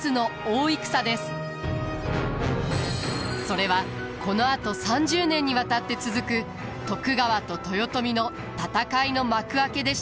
それはこのあと３０年にわたって続く徳川と豊臣の戦いの幕開けでした。